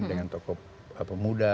dengan tokoh pemuda